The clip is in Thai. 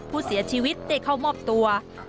ผู้เสียชีวิตได้เข้ามอบตัว